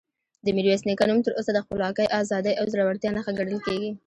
د میرویس نیکه نوم تر اوسه د خپلواکۍ، ازادۍ او زړورتیا نښه ګڼل کېږي.